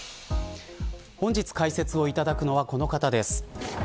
本日解説をいただくのはこの方です。